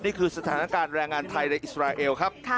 นี่คือสถานการณ์แรงงานไทยในอิสราเอลครับ